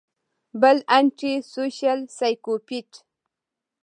بل انټي سوشل سايکوپېت